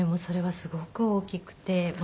それはすごく大きくて。